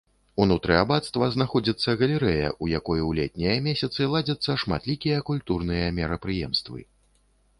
Унутры абацтва знаходзіцца галерэя, у якой у летнія месяцы ладзяцца шматлікія культурныя мерапрыемствы.